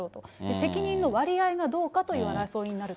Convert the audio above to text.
責任の割合がどうかというどうかという争いになると。